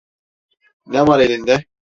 Ne var elinde?